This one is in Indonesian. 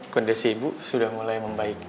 kondisi ibu sudah mulai membaik